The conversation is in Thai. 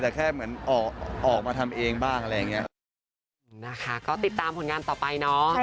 แต่แค่เหมือนออกมาทำเองบ้างอะไรอย่างนี้